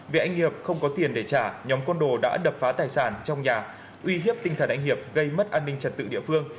về anh hiệp không có tiền để trả nhóm côn đồ đã đập phá tài sản trong nhà uy hiếp tinh thần anh hiệp gây mất an ninh trật tự địa phương